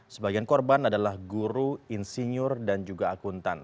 sebagian korban adalah guru insinyur dan juga akuntan